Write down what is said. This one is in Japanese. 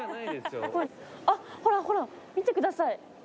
あっほらほら見てください。